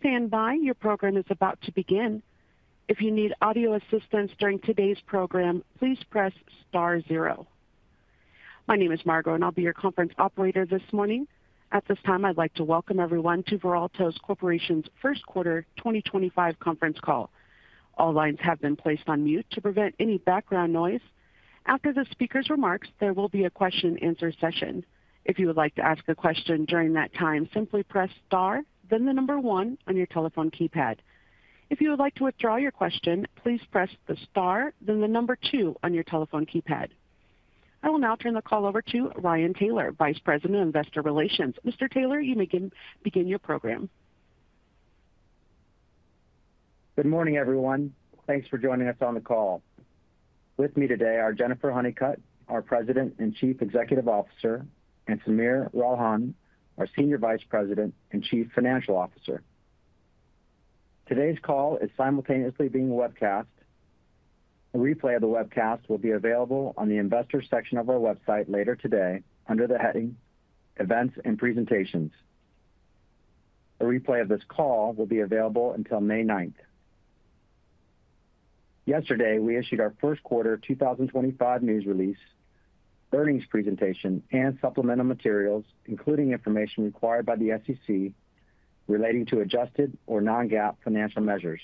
Please stand by, your program is about to begin. If you need audio assistance during today's program, please press star zero. My name is Margot, and I'll be your conference operator this morning. At this time, I'd like to welcome everyone to Veralto Corporation's first quarter 2025 conference call. All lines have been placed on mute to prevent any background noise. After the speaker's remarks, there will be a question-and-answer session. If you would like to ask a question during that time, simply press star, then the number one on your telephone keypad. If you would like to withdraw your question, please "press the star", then the number two on your telephone keypad. I will now turn the call over to Ryan Taylor, Vice President of Investor Relations. Mr. Taylor, you may begin your program. Good morning, everyone. Thanks for joining us on the call. With me today are Jennifer Honeycutt, our President and Chief Executive Officer, and Sameer Ralhan, our Senior Vice President and Chief Financial Officer. Today's call is simultaneously being webcast. A replay of the webcast will be available on the Investor section of our website later today under the heading Events and Presentations. A replay of this call will be available until May 9. Yesterday, we issued our first quarter 2025 news release, earnings presentation, and supplemental materials, including information required by the SEC relating to adjusted or non-GAAP financial measures.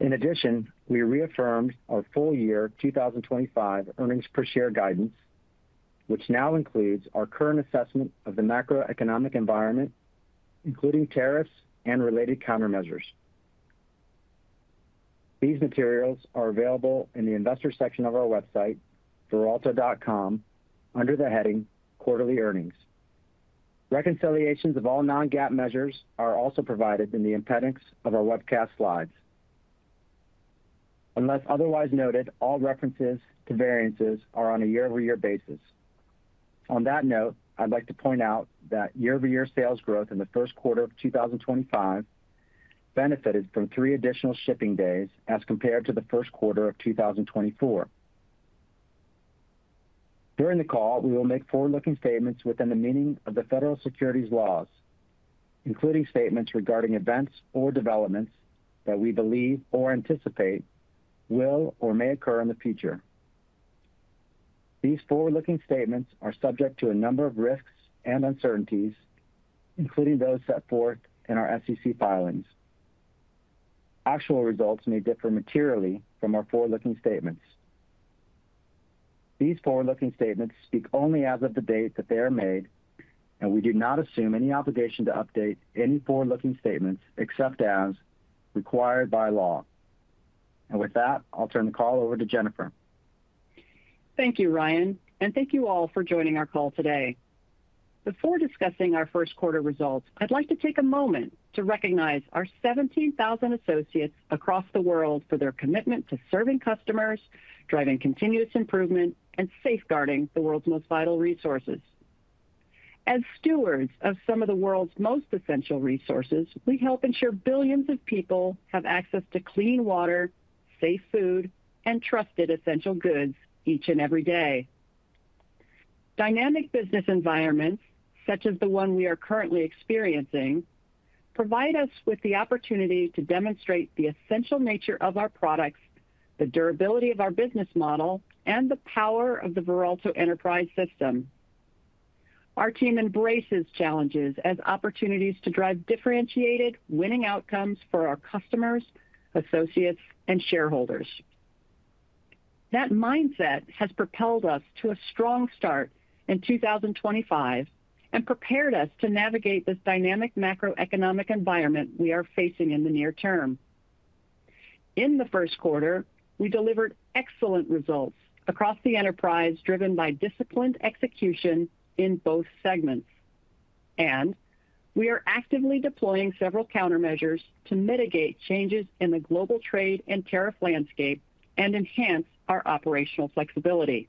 In addition, we reaffirmed our full year 2025 earnings per share guidance, which now includes our current assessment of the macroeconomic environment, including tariffs and related countermeasures. These materials are available in the Investor section of our website, veralto.com, under the heading Quarterly Earnings. Reconciliations of all non-GAAP measures are also provided in the appendix of our webcast slides. Unless otherwise noted, all references to variances are on a year-over-year basis. On that note, I'd like to point out that year-over-year sales growth in the first quarter of 2025 benefited from three additional shipping days as compared to the first quarter of 2024. During the call, we will make forward-looking statements within the meaning of the federal securities laws, including statements regarding events or developments that we believe or anticipate will or may occur in the future. These forward-looking statements are subject to a number of risks and uncertainties, including those set forth in our SEC filings. Actual results may differ materially from our forward-looking statements. These forward-looking statements speak only as of the date that they are made, and we do not assume any obligation to update any forward-looking statements except as required by law. With that, I'll turn the call over to Jennifer. Thank you, Ryan, and thank you all for joining our call today. Before discussing our first quarter results, I'd like to take a moment to recognize our 17,000 associates across the world for their commitment to serving customers, driving continuous improvement, and safeguarding the world's most vital resources. As stewards of some of the world's most essential resources, we help ensure billions of people have access to clean water, safe food, and trusted essential goods each and every day. Dynamic business environments, such as the one we are currently experiencing, provide us with the opportunity to demonstrate the essential nature of our products, the durability of our business model, and the power of the Veralto Enterprise System. Our team embraces challenges as opportunities to drive differentiated, winning outcomes for our customers, associates, and shareholders. That mindset has propelled us to a strong start in 2025 and prepared us to navigate this dynamic macroeconomic environment we are facing in the near term. In the first quarter, we delivered excellent results across the enterprise, driven by disciplined execution in both segments. We are actively deploying several countermeasures to mitigate changes in the global trade and tariff landscape and enhance our operational flexibility.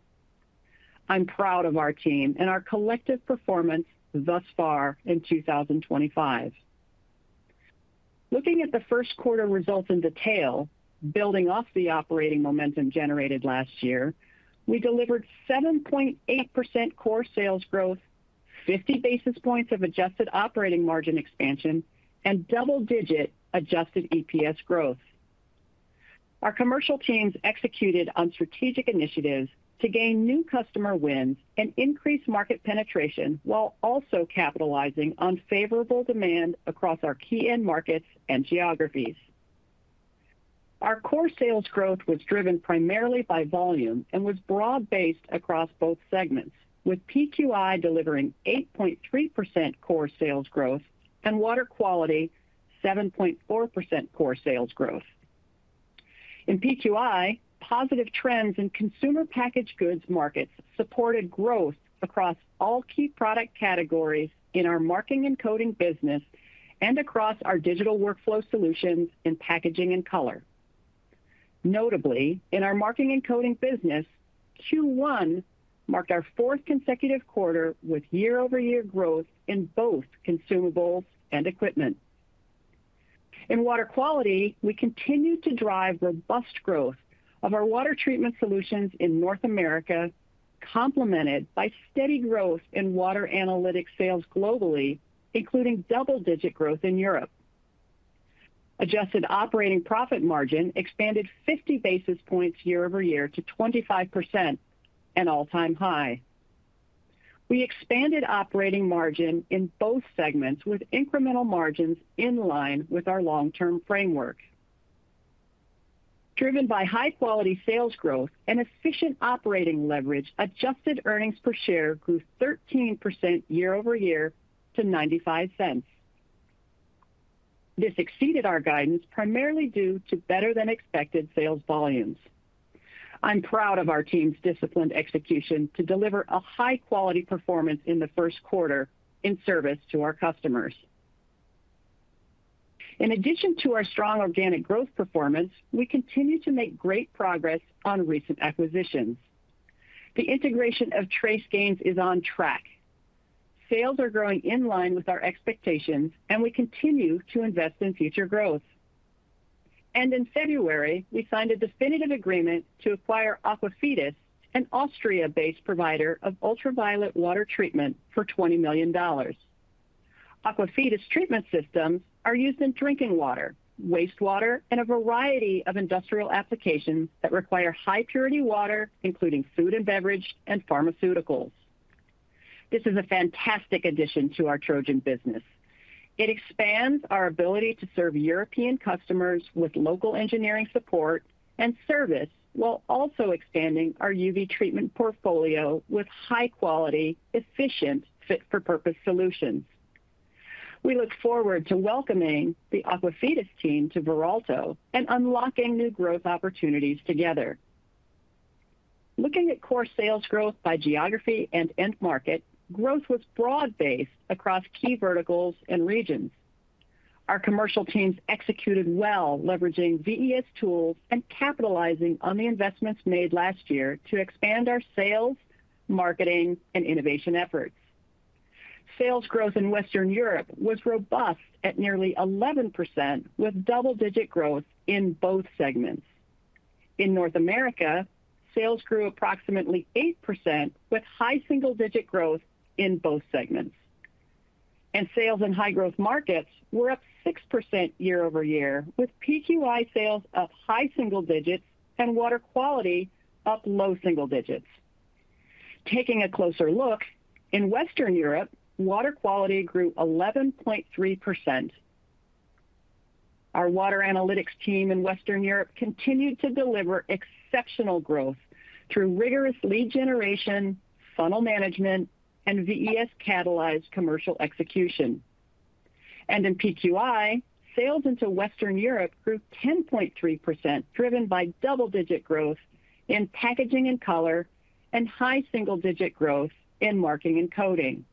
I'm proud of our team and our collective performance thus far in 2025. Looking at the first quarter results in detail, building off the operating momentum generated last year, we delivered 7.8% core sales growth, 50 basis points of adjusted operating margin expansion, and double-digit adjusted EPS growth. Our commercial teams executed on strategic initiatives to gain new customer wins and increase market penetration while also capitalizing on favorable demand across our key end markets and geographies. Our core sales growth was driven primarily by volume and was broad-based across both segments, with PQI delivering 8.3% core sales growth Water Quality 7.4% core sales growth. In PQI, positive trends in consumer packaged goods markets supported growth across all key product categories in our Marking and Coding business and across our digital workflow solutions in Packaging and Color. Notably, in our Marking and Coding business, Q1 marked our fourth consecutive quarter with year-over-year growth in both consumables and equipment. Water Quality, we continue to drive robust growth of our water treatment solutions in North America, complemented by steady growth in water analytics sales globally, including double-digit growth in Europe. Adjusted operating profit margin expanded 50 basis points year-over-year to 25%, an all-time high. We expanded operating margin in both segments with incremental margins in line with our long-term framework. Driven by high-quality sales growth and efficient operating leverage, adjusted earnings per share grew 13% year-over-year to $0.95. This exceeded our guidance primarily due to better-than-expected sales volumes. I'm proud of our team's disciplined execution to deliver a high-quality performance in the first quarter in service to our customers. In addition to our strong organic growth performance, we continue to make great progress on recent acquisitions. The integration of TraceGains is on track. Sales are growing in line with our expectations, and we continue to invest in future growth. In February, we signed a definitive agreement to acquire Aquafides, an Austria-based provider of ultraviolet water treatment, for $20 million. Aquafides treatment systems are used in drinking water, wastewater, and a variety of industrial applications that require high-purity water, including food and beverage and pharmaceuticals. This is a fantastic addition to our Trojan business. It expands our ability to serve European customers with local engineering support and service while also expanding our UV treatment portfolio with high-quality, efficient fit-for-purpose solutions. We look forward to welcoming the Aquafides team to Veralto and unlocking new growth opportunities together. Looking at core sales growth by geography and end market, growth was broad-based across key verticals and regions. Our commercial teams executed well, leveraging VES tools and capitalizing on the investments made last year to expand our sales, marketing, and innovation efforts. Sales growth in Western Europe was robust at nearly 11%, with double-digit growth in both segments. In North America, sales grew approximately 8%, with high single-digit growth in both segments. Sales in high-growth markets were up 6% year-over-year, with PQI sales up high single digits Water Quality up low single digits. Taking a closer look, in Western Water Quality grew 11.3%. Our water analytics team in Western Europe continued to deliver exceptional growth through rigorous lead generation, funnel management, and VES-catalyzed commercial execution. In PQI, sales into Western Europe grew 10.3%, driven by double-digit growth in Packaging and Color and high single-digit growth in Marking and Coding.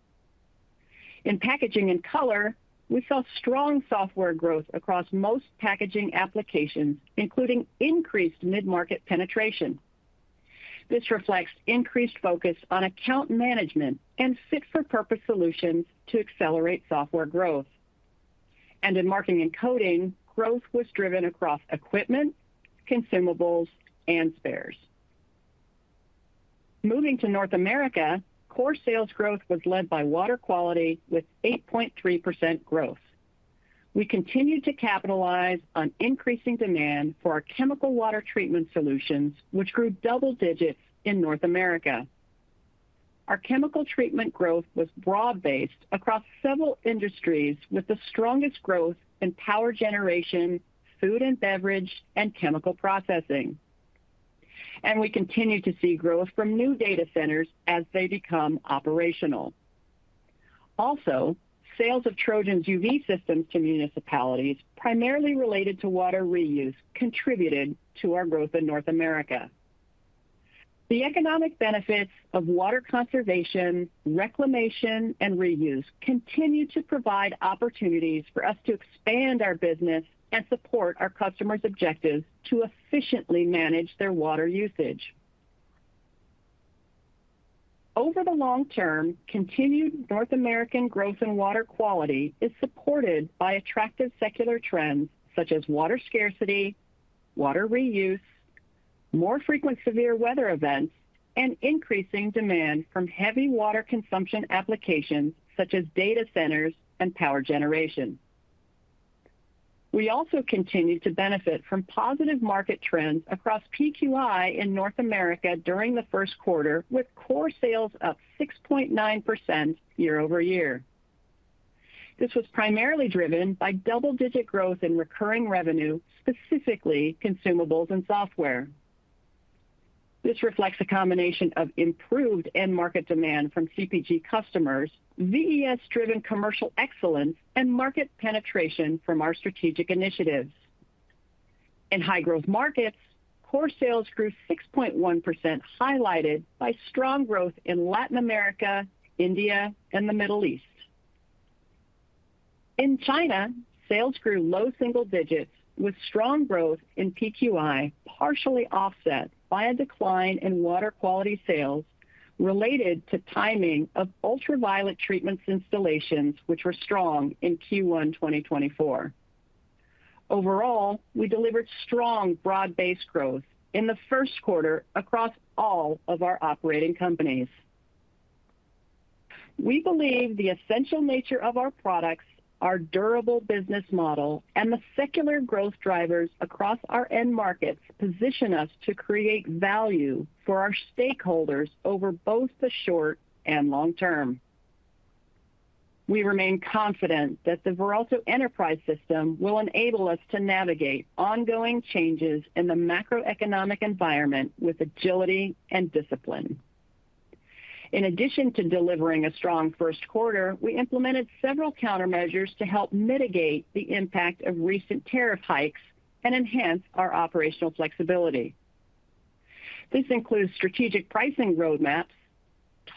In Packaging and Color, we saw strong software growth across most packaging applications, including increased mid-market penetration. This reflects increased focus on account management and fit-for-purpose solutions to accelerate software growth. In Marking and Coding, growth was driven across equipment, consumables, and spares. Moving to North America, core sales growth was led Water Quality with 8.3% growth. We continued to capitalize on increasing demand for our chemical water treatment solutions, which grew double digits in North America. Our chemical treatment growth was broad-based across several industries with the strongest growth in power generation, food and beverage, and chemical processing. We continue to see growth from new data centers as they become operational. Also, sales of Trojan's UV systems to municipalities, primarily related to water reuse, contributed to our growth in North America. The economic benefits of water conservation, reclamation, and reuse continue to provide opportunities for us to expand our business and support our customers' objectives to efficiently manage their water usage. Over the long term, continued North American growth Water Quality is supported by attractive secular trends such as water scarcity, water reuse, more frequent severe weather events, and increasing demand from heavy water consumption applications such as data centers and power generation. We also continue to benefit from positive market trends across PQI in North America during the first quarter, with core sales up 6.9% year-over-year. This was primarily driven by double-digit growth in recurring revenue, specifically consumables and software. This reflects a combination of improved end market demand from CPG customers, VES-driven commercial excellence, and market penetration from our strategic initiatives. In high-growth markets, core sales grew 6.1%, highlighted by strong growth in Latin America, India, and the Middle East. In China, sales grew low single digits, with strong growth in PQI partially offset by a decline Water Quality sales related to timing of ultraviolet treatment installations, which were strong in Q1 2024. Overall, we delivered strong broad-based growth in the first quarter across all of our operating companies. We believe the essential nature of our products, our durable business model, and the secular growth drivers across our end markets position us to create value for our stakeholders over both the short and long term. We remain confident that the Veralto Enterprise System will enable us to navigate ongoing changes in the macroeconomic environment with agility and discipline. In addition to delivering a strong first quarter, we implemented several countermeasures to help mitigate the impact of recent tariff hikes and enhance our operational flexibility. This includes strategic pricing roadmaps,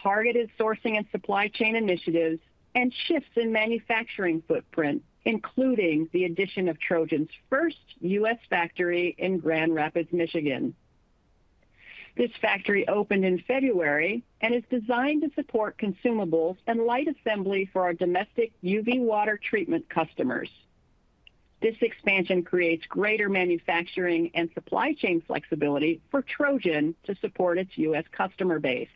targeted sourcing and supply chain initiatives, and shifts in manufacturing footprint, including the addition of Trojan's first U.S. factory in Grand Rapids, Michigan. This factory opened in February and is designed to support consumables and light assembly for our domestic UV water treatment customers. This expansion creates greater manufacturing and supply chain flexibility for Trojan to support its U.S. customer base.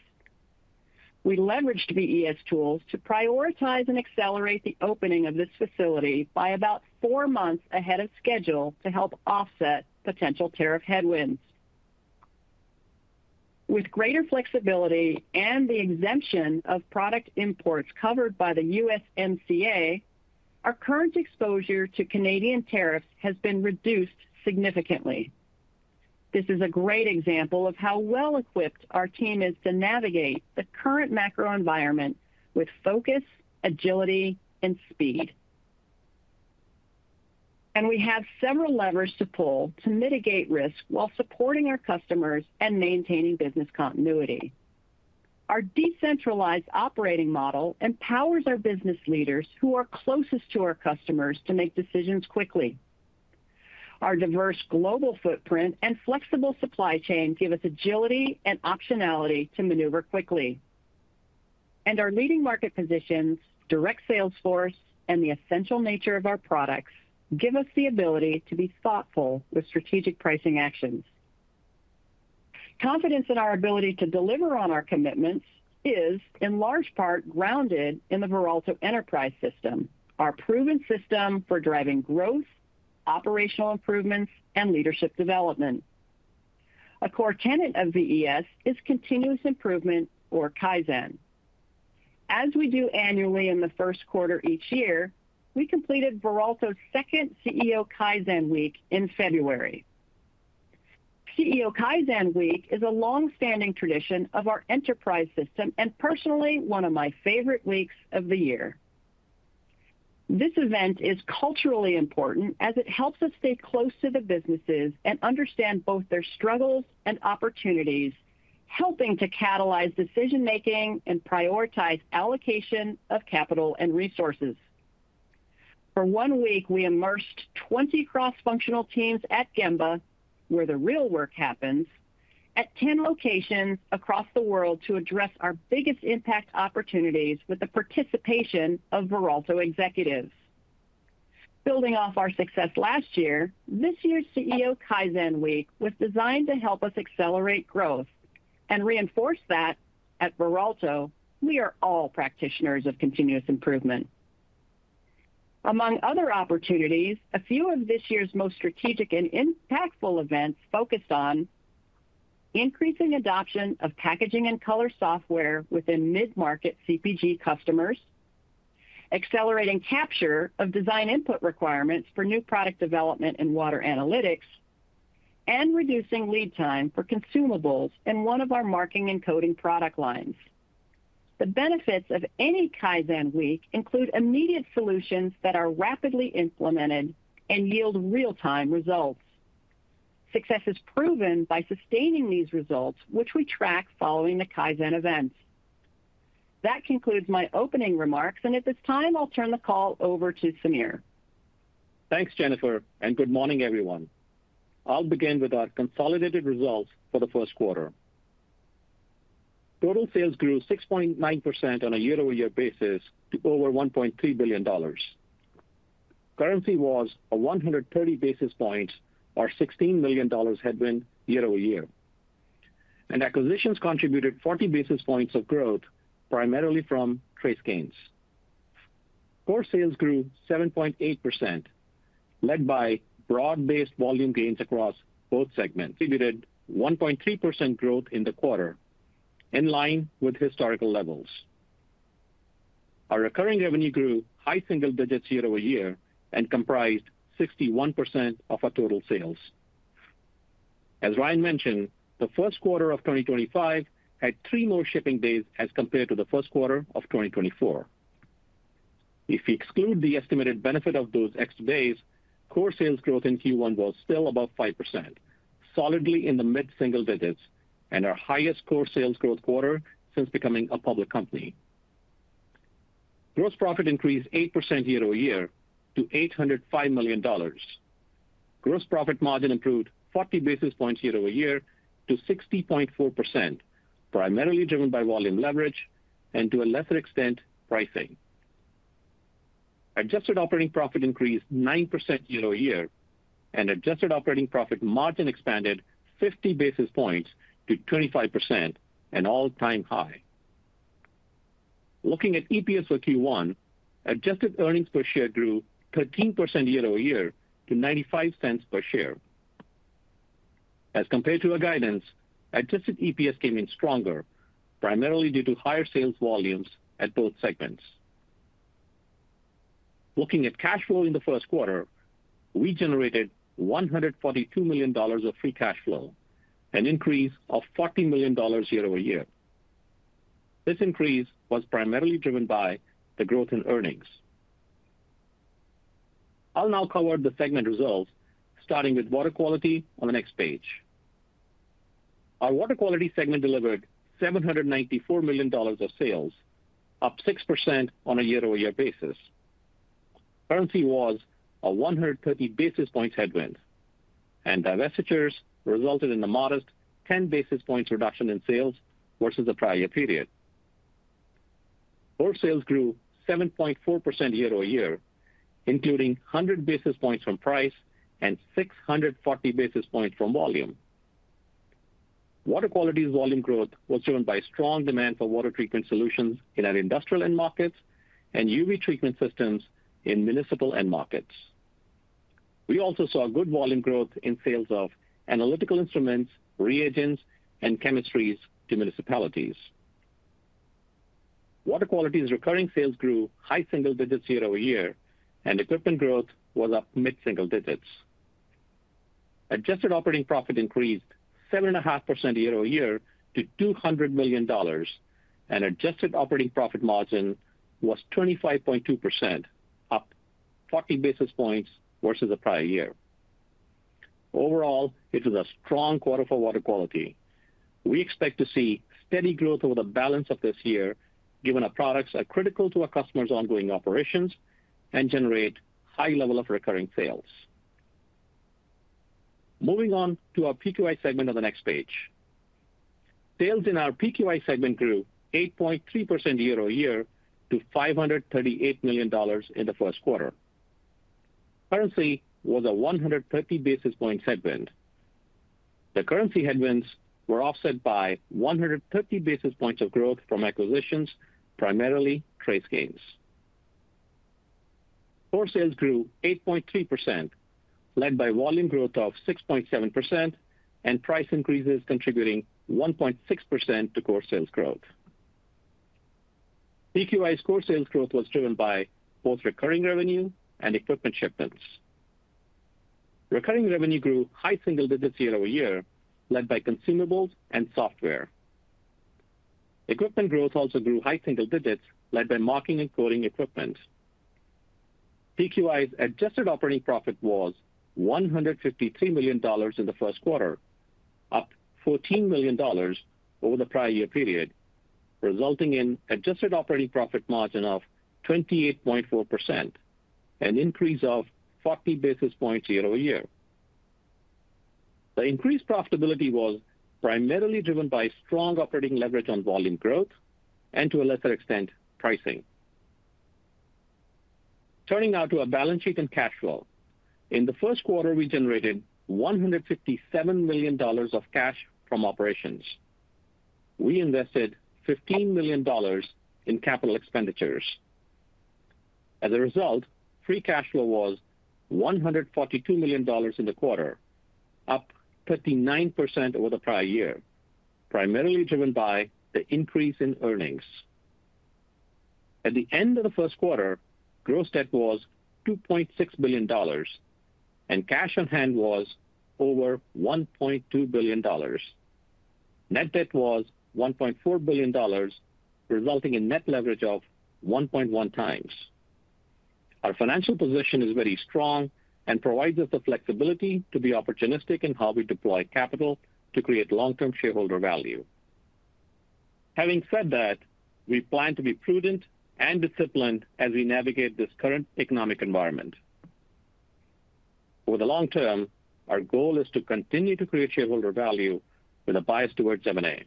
We leveraged VES tools to prioritize and accelerate the opening of this facility by about four months ahead of schedule to help offset potential tariff headwinds. With greater flexibility and the exemption of product imports covered by the U.S. MCA, our current exposure to Canadian tariffs has been reduced significantly. This is a great example of how well-equipped our team is to navigate the current macro environment with focus, agility, and speed. We have several levers to pull to mitigate risk while supporting our customers and maintaining business continuity. Our decentralized operating model empowers our business leaders who are closest to our customers to make decisions quickly. Our diverse global footprint and flexible supply chain give us agility and optionality to maneuver quickly. Our leading market positions, direct sales force, and the essential nature of our products give us the ability to be thoughtful with strategic pricing actions. Confidence in our ability to deliver on our commitments is, in large part, grounded in the Veralto Enterprise System, our proven system for driving growth, operational improvements, and leadership development. A core tenet of VES is continuous improvement, or Kaizen. As we do annually in the first quarter each year, we completed Veralto's second CEO Kaizen Week in February. CEO Kaizen Week is a long-standing tradition of our enterprise system and personally one of my favorite weeks of the year. This event is culturally important as it helps us stay close to the businesses and understand both their struggles and opportunities, helping to catalyze decision-making and prioritize allocation of capital and resources. For one week, we immersed 20 cross-functional teams at Gemba, where the real work happens, at 10 locations across the world to address our biggest impact opportunities with the participation of Veralto executives. Building off our success last year, this year's CEO Kaizen Week was designed to help us accelerate growth and reinforce that at Veralto, we are all practitioners of continuous improvement. Among other opportunities, a few of this year's most strategic and impactful events focused on increasing adoption of Packaging and Color software within mid-market CPG customers, accelerating capture of design input requirements for new product development and water analytics, and reducing lead time for consumables in one of our Marking and Coding product lines. The benefits of any Kaizen Week include immediate solutions that are rapidly implemented and yield real-time results. Success is proven by sustaining these results, which we track following the Kaizen events. That concludes my opening remarks, and at this time, I'll turn the call over to Sameer. Thanks, Jennifer, and good morning, everyone. I'll begin with our consolidated results for the first quarter. Total sales grew 6.9% on a year-over-year basis to over $1.3 billion. Currency was a 130 basis points, or $16 million headwind year-over-year. Acquisitions contributed 40 basis points of growth, primarily from TraceGains. Core sales grew 7.8%, led by broad-based volume gains across both segments. Contributed 1.3% growth in the quarter, in line with historical levels. Our recurring revenue grew high single digits year-over-year and comprised 61% of our total sales. As Ryan mentioned, the first quarter of 2025 had three more shipping days as compared to the first quarter of 2024. If we exclude the estimated benefit of those extra days, core sales growth in Q1 was still above 5%, solidly in the mid-single digits, and our highest core sales growth quarter since becoming a public company. Gross profit increased 8% year-over-year to $805 million. Gross profit margin improved 40 basis points year-over-year to 60.4%, primarily driven by volume leverage and, to a lesser extent, pricing. Adjusted operating profit increased 9% year-over-year, and adjusted operating profit margin expanded 50 basis points to 25%, an all-time high. Looking at EPS for Q1, adjusted earnings per share grew 13% year-over-year to $0.95 per share. As compared to our guidance, adjusted EPS came in stronger, primarily due to higher sales volumes at both segments. Looking at cash flow in the first quarter, we generated $142 million of free cash flow, an increase of $40 million year-over-year. This increase was primarily driven by the growth in earnings. I'll now cover the segment results, starting Water Quality on the next page. Water Quality segment delivered $794 million of sales, up 6% on a year-over-year basis. Currency was a 130 basis points headwind, and divestitures resulted in a modest 10 basis points reduction in sales versus the prior period. Core sales grew 7.4% year-over-year, including 100 basis points from price and 640 basis points from Water Quality's volume growth was driven by strong demand for water treatment solutions in our industrial end markets and UV treatment systems in municipal end markets. We also saw good volume growth in sales of analytical instruments, reagents, and chemistries to Water Quality's recurring sales grew high single digits year-over-year, and equipment growth was up mid-single digits. Adjusted operating profit increased 7.5% year-over-year to $200 million, and adjusted operating profit margin was 25.2%, up 40 basis points versus the prior year. Overall, it was a strong quarter for Water Quality. We expect to see steady growth over the balance of this year, given our products are critical to our customers' ongoing operations and generate a high level of recurring sales. Moving on to our PQI segment on the next page. Sales in our PQI segment grew 8.3% year-over-year to $538 million in the first quarter. Currency was a 130 basis point headwind. The currency headwinds were offset by 130 basis points of growth from acquisitions, primarily TraceGains. Core sales grew 8.3%, led by volume growth of 6.7% and price increases contributing 1.6% to core sales growth. PQI's core sales growth was driven by both recurring revenue and equipment shipments. Recurring revenue grew high single digits year-over-year, led by consumables and software. Equipment growth also grew high single digits, led by Marking and Coding equipment. PQI's adjusted operating profit was $153 million in the first quarter, up $14 million over the prior year period, resulting in adjusted operating profit margin of 28.4%, an increase of 40 basis points year-over-year. The increased profitability was primarily driven by strong operating leverage on volume growth and, to a lesser extent, pricing. Turning now to our balance sheet and cash flow. In the first quarter, we generated $157 million of cash from operations. We invested $15 million in capital expenditures. As a result, free cash flow was $142 million in the quarter, up 39% over the prior year, primarily driven by the increase in earnings. At the end of the first quarter, gross debt was $2.6 billion, and cash on hand was over $1.2 billion. Net debt was $1.4 billion, resulting in net leverage of 1.1 times. Our financial position is very strong and provides us the flexibility to be opportunistic in how we deploy capital to create long-term shareholder value. Having said that, we plan to be prudent and disciplined as we navigate this current economic environment. Over the long term, our goal is to continue to create shareholder value with a bias towards M&A.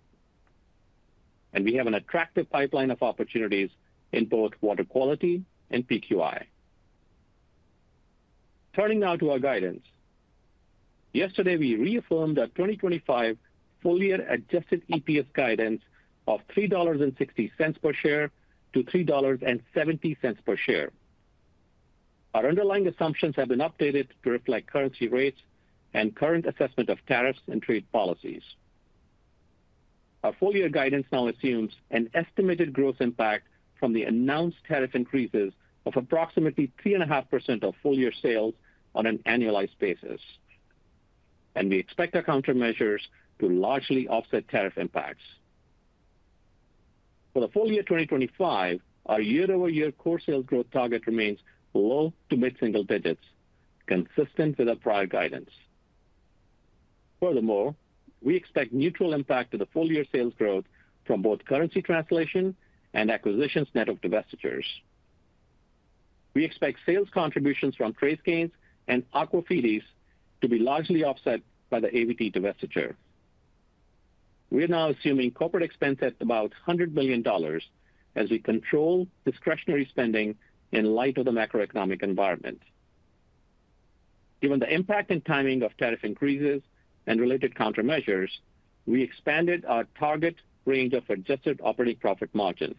We have an attractive pipeline of opportunities in Water Quality and PQI. Turning now to our guidance. Yesterday, we reaffirmed our 2025 full-year adjusted EPS guidance of $3.60 per share-$3.70 per share. Our underlying assumptions have been updated to reflect currency rates and current assessment of tariffs and trade policies. Our full-year guidance now assumes an estimated growth impact from the announced tariff increases of approximately 3.5% of full-year sales on an annualized basis. We expect our countermeasures to largely offset tariff impacts. For the full year 2025, our year-over-year core sales growth target remains low to mid-single digits, consistent with our prior guidance. Furthermore, we expect neutral impact to the full-year sales growth from both currency translation and acquisitions net of divestitures. We expect sales contributions from TraceGains and Aquafides to be largely offset by the AVT divestiture. We are now assuming corporate expense at about $100 million as we control discretionary spending in light of the macroeconomic environment. Given the impact and timing of tariff increases and related countermeasures, we expanded our target range of adjusted operating profit margin.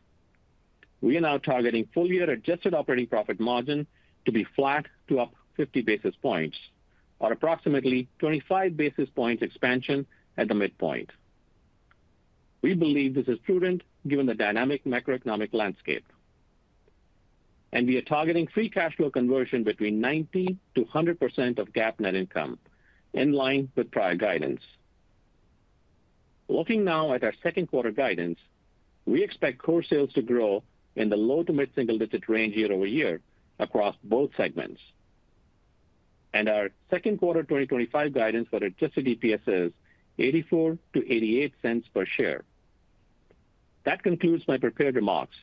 We are now targeting full-year adjusted operating profit margin to be flat to up 50 basis points, or approximately 25 basis points expansion at the midpoint. We believe this is prudent given the dynamic macroeconomic landscape. We are targeting free cash flow conversion between 90%-100% of GAAP net income, in line with prior guidance. Looking now at our second quarter guidance, we expect core sales to grow in the low to mid-single digit range year-over-year across both segments. Our second quarter 2025 guidance for adjusted EPS is $0.84-$0.88 per share. That concludes my prepared remarks.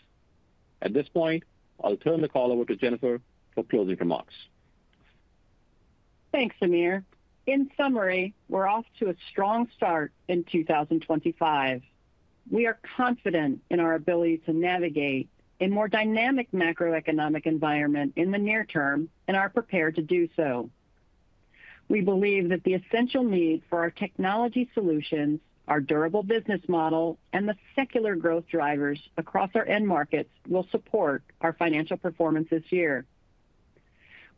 At this point, I'll turn the call over to Jennifer for closing remarks. Thanks, Sameer. In summary, we're off to a strong start in 2025. We are confident in our ability to navigate a more dynamic macroeconomic environment in the near term and are prepared to do so. We believe that the essential needs for our technology solutions, our durable business model, and the secular growth drivers across our end markets will support our financial performance this year.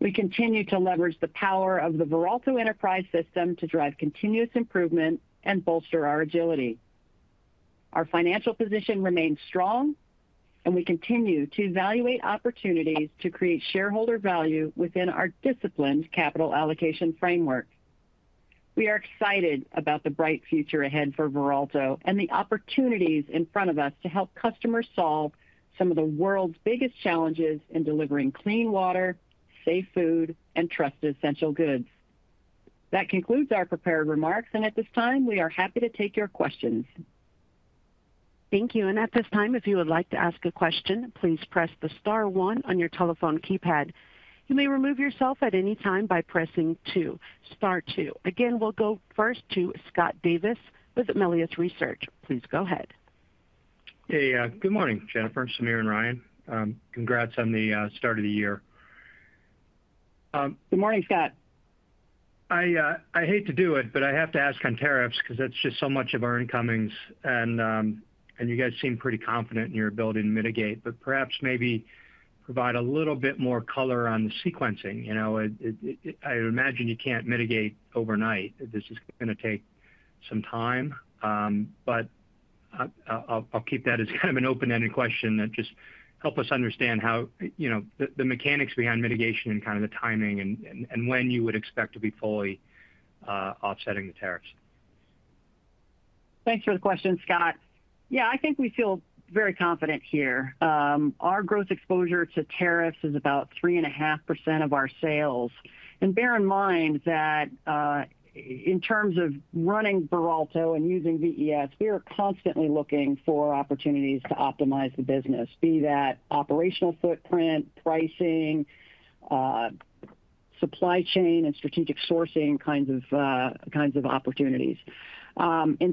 We continue to leverage the power of the Veralto Enterprise System to drive continuous improvement and bolster our agility. Our financial position remains strong, and we continue to evaluate opportunities to create shareholder value within our disciplined capital allocation framework. We are excited about the bright future ahead for Veralto and the opportunities in front of us to help customers solve some of the world's biggest challenges in delivering clean water, safe food, and trusted essential goods. That concludes our prepared remarks, and at this time, we are happy to take your questions. Thank you. At this time, if you would like to ask a question, please press the star one on your telephone keypad. You may remove yourself at any time by pressing star two. Again, we'll go first to Scott Davis with Melius Research. Please go ahead. Hey, good morning, Jennifer, Sameer, and Ryan. Congrats on the start of the year. Good morning, Scott. I hate to do it, but I have to ask on tariffs because that's just so much of our incomings. You guys seem pretty confident in your ability to mitigate, but perhaps maybe provide a little bit more color on the sequencing. I imagine you can't mitigate overnight. This is going to take some time. I will keep that as kind of an open-ended question that just helps us understand how the mechanics behind mitigation and kind of the timing and when you would expect to be fully offsetting the tariffs. Thanks for the question, Scott. Yeah, I think we feel very confident here. Our growth exposure to tariffs is about 3.5% of our sales. Bear in mind that in terms of running Veralto and using VES, we are constantly looking for opportunities to optimize the business, be that operational footprint, pricing, supply chain, and strategic sourcing kinds of opportunities. In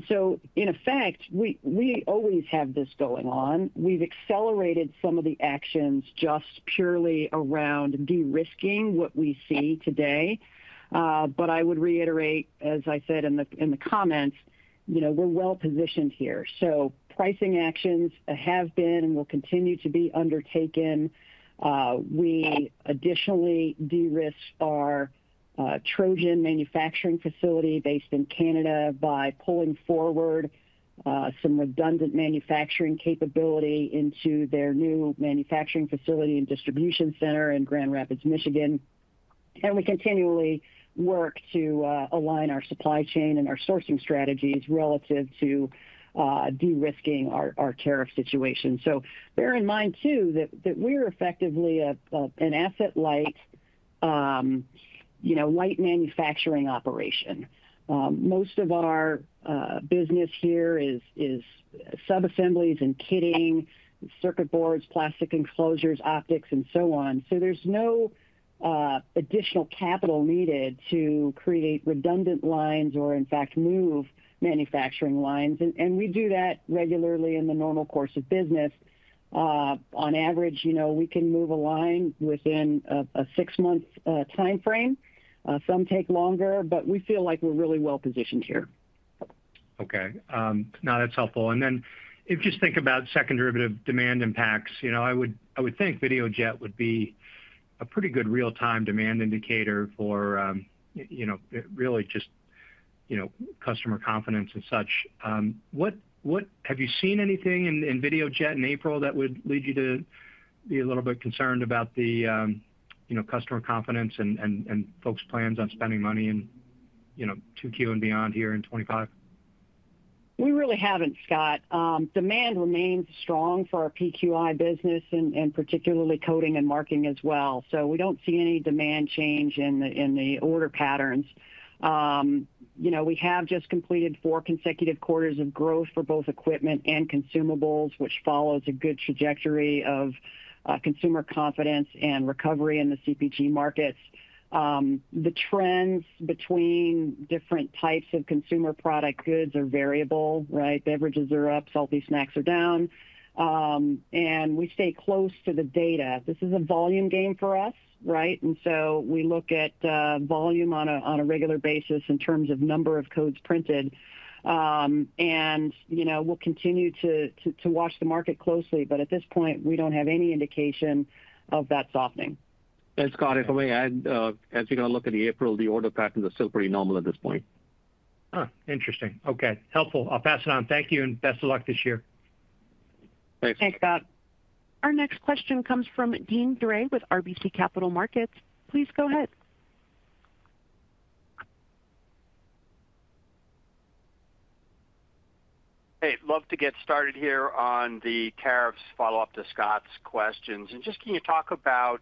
effect, we always have this going on. We've accelerated some of the actions just purely around de-risking what we see today. I would reiterate, as I said in the comments, we're well positioned here. Pricing actions have been and will continue to be undertaken. We additionally de-risk our Trojan manufacturing facility based in Canada by pulling forward some redundant manufacturing capability into their new manufacturing facility and distribution center in Grand Rapids, Michigan. We continually work to align our supply chain and our sourcing strategies relative to de-risking our tariff situation. Bear in mind, too, that we're effectively an asset-light manufacturing operation. Most of our business here is subassemblies and kitting, circuit boards, plastic enclosures, optics, and so on. There's no additional capital needed to create redundant lines or, in fact, move manufacturing lines. We do that regularly in the normal course of business. On average, we can move a line within a six-month time frame. Some take longer, but we feel like we're really well positioned here. Okay. No, that's helpful. If you just think about second derivative demand impacts, I would think Videojet would be a pretty good real-time demand indicator for really just customer confidence and such. Have you seen anything in Videojet in April that would lead you to be a little bit concerned about the customer confidence and folks' plans on spending money in 2Q and beyond here in 2025? We really haven't, Scott. Demand remains strong for our PQI business, and particularly coding and marking as well. We don't see any demand change in the order patterns. We have just completed four consecutive quarters of growth for both equipment and consumables, which follows a good trajectory of consumer confidence and recovery in the CPG markets. The trends between different types of consumer product goods are variable, right? Beverages are up, healthy snacks are down. We stay close to the data. This is a volume game for us, right? We look at volume on a regular basis in terms of number of codes printed. We will continue to watch the market closely. At this point, we don't have any indication of that softening. Scott, if I may add, as you're going to look at the April, the order patterns are still pretty normal at this point. Interesting. Okay. Helpful. I'll pass it on. Thank you and best of luck this year. Thanks. Thanks, Scott. Our next question comes from Deane Dray with RBC Capital Markets. Please go ahead. Hey, love to get started here on the tariffs follow-up to Scott's questions. I mean, can you talk about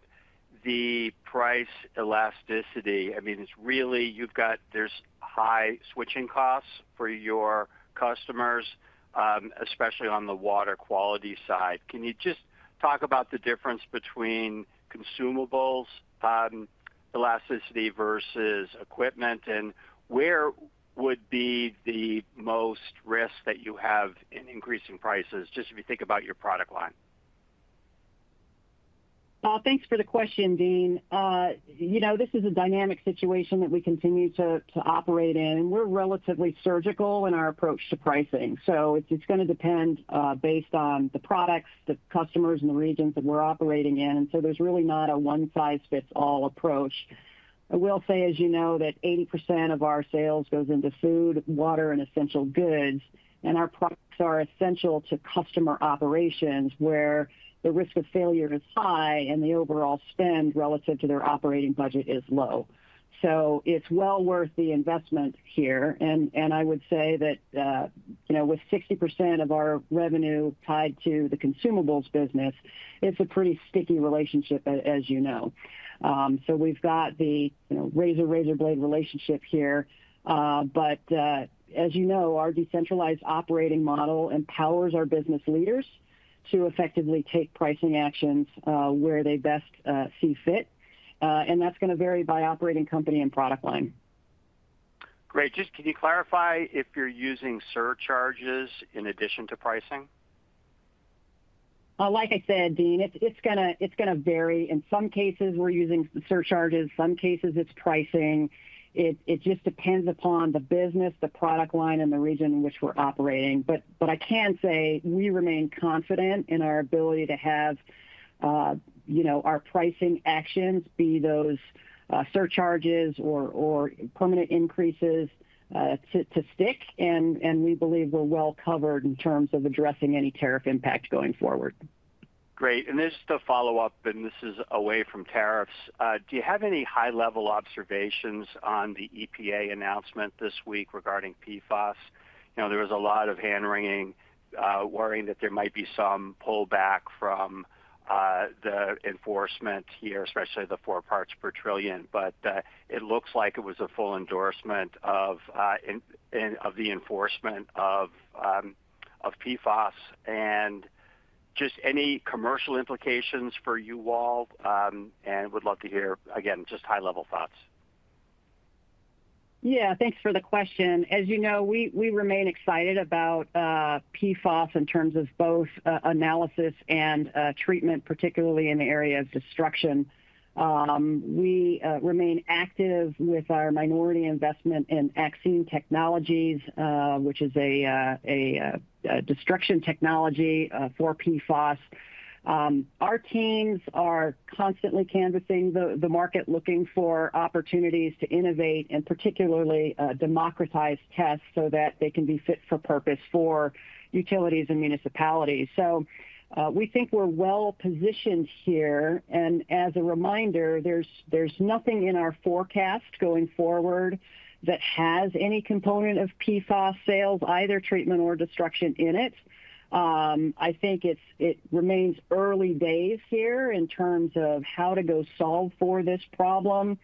the price elasticity? I mean, really, you've got there's high switching costs for your customers, especially on Water Quality side. Can you just talk about the difference between consumables elasticity versus equipment? Where would be the most risk that you have in increasing prices, just if you think about your product line? Thanks for the question, Dean. You know this is a dynamic situation that we continue to operate in. We're relatively surgical in our approach to pricing. It's going to depend based on the products, the customers, and the regions that we're operating in. There's really not a one-size-fits-all approach. I will say, as you know, that 80% of our sales goes into food, water, and essential goods. Our products are essential to customer operations where the risk of failure is high and the overall spend relative to their operating budget is low. It's well worth the investment here. I would say that with 60% of our revenue tied to the consumables business, it's a pretty sticky relationship, as you know. We've got the razor-razor blade relationship here. As you know, our decentralized operating model empowers our business leaders to effectively take pricing actions where they best see fit. That is going to vary by operating company and product line. Great. Just can you clarify if you're using surcharges in addition to pricing? Like I said, Dean, it's going to vary. In some cases, we're using surcharges. In some cases, it's pricing. It just depends upon the business, the product line, and the region in which we're operating. I can say we remain confident in our ability to have our pricing actions, be those surcharges or permanent increases, to stick. We believe we're well covered in terms of addressing any tariff impact going forward. Great. This is the follow-up, and this is away from tariffs. Do you have any high-level observations on the EPA announcement this week regarding PFAS? There was a lot of hand-wringing, worrying that there might be some pullback from the enforcement here, especially the four parts per trillion. It looks like it was a full endorsement of the enforcement of PFAS. Just any commercial implications for you all? Would love to hear, again, just high-level thoughts. Yeah, thanks for the question. As you know, we remain excited about PFAS in terms of both analysis and treatment, particularly in the area of destruction. We remain active with our minority investment in Axene Technologies, which is a destruction technology for PFAS. Our teams are constantly canvassing the market, looking for opportunities to innovate and particularly democratize tests so that they can be fit for purpose for utilities and municipalities. We think we're well positioned here. As a reminder, there's nothing in our forecast going forward that has any component of PFAS sales, either treatment or destruction in it. I think it remains early days here in terms of how to go solve for this problem.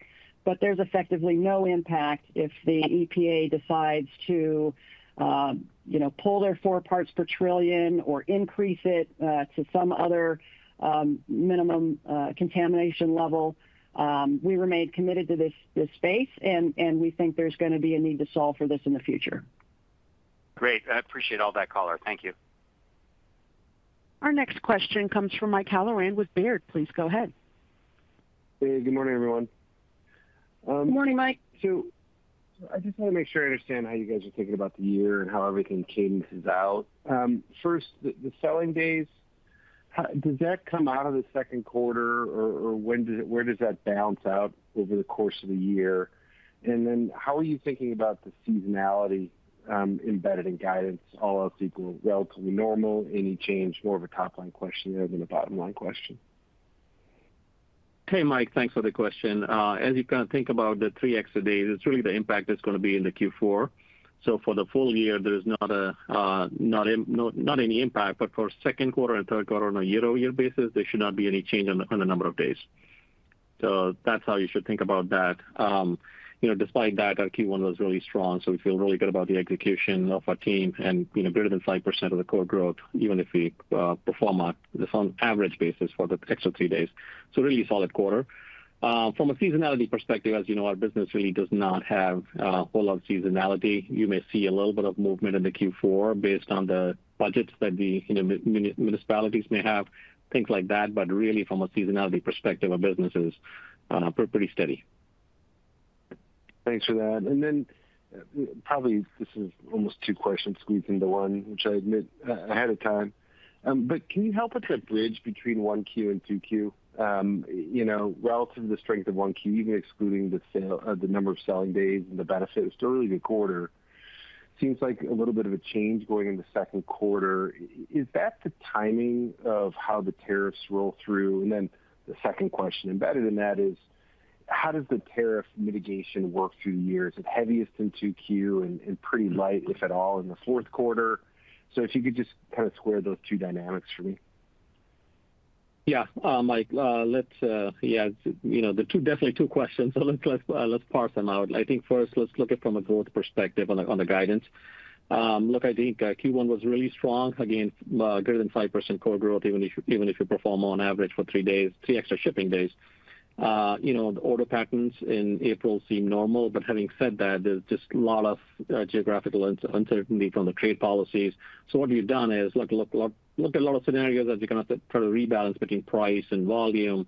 There's effectively no impact if the EPA decides to pull their four parts per trillion or increase it to some other minimum contamination level. We remain committed to this space, and we think there's going to be a need to solve for this in the future. Great. I appreciate all that, Caller. Thank you. Our next question comes from Mike Halloran with Baird. Please go ahead. Hey, good morning, everyone. Good morning, Mike. I just want to make sure I understand how you guys are thinking about the year and how everything cadences out. First, the selling days, does that come out of the second quarter, or where does that balance out over the course of the year? And then how are you thinking about the seasonality embedded in guidance? All else equal, relatively normal? Any change? More of a top-line question than a bottom-line question. Hey, Mike, thanks for the question. As you kind of think about the three exit days, it's really the impact that's going to be in the Q4. For the full year, there is not any impact. For second quarter and third quarter on a year-over-year basis, there should not be any change on the number of days. That's how you should think about that. Despite that, our Q1 was really strong. We feel really good about the execution of our team and greater than 5% of the core growth, even if we perform on an average basis for the extra three days. Really solid quarter. From a seasonality perspective, as you know, our business really does not have a whole lot of seasonality. You may see a little bit of movement in the Q4 based on the budgets that the municipalities may have, things like that. Really, from a seasonality perspective, our business is pretty steady. Thanks for that. Probably this is almost two questions squeezed into one, which I admit ahead of time. Can you help us to bridge between 1Q and 2Q? Relative to the strength of 1Q, even excluding the number of selling days and the benefits, it is still really the quarter. Seems like a little bit of a change going into second quarter. Is that the timing of how the tariffs roll through? The second question embedded in that is, how does the tariff mitigation work through the year? Is it heaviest in 2Q and pretty light, if at all, in the fourth quarter? If you could just kind of square those two dynamics for me. Yeah, Mike, let's, yeah, definitely two questions. Let's parse them out. I think first, let's look at it from a growth perspective on the guidance. Look, I think Q1 was really strong. Again, greater than 5% core growth, even if you perform on average for three days, three extra shipping days. The order patterns in April seem normal. Having said that, there's just a lot of geographical uncertainty from the trade policies. What we've done is look at a lot of scenarios as you kind of try to rebalance between price and volume.